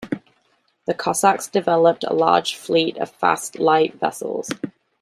The Cossacks developed a large fleet of fast, light vessels.